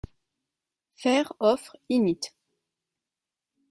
Faire offres init.